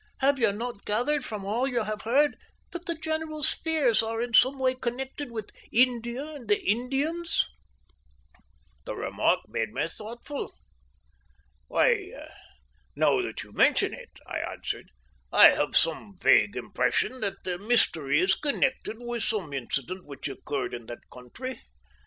Have you not gathered from all you have heard that the general's fears are in some way connected with India and the Indians?" The remark made me thoughtful. "Why, now that you mention it," I answered, "I have some vague impression that the mystery is connected with some incident which occurred in that country.